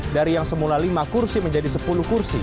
dari yang semula lima kursi menjadi sepuluh kursi